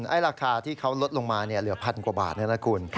ไอ้ราคาที่เขาลดลงมาเหลือ๑๐๐๐กว่าบาทนะครับคุณ